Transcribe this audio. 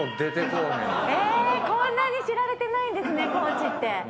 こんなに知られてないんですね高知って。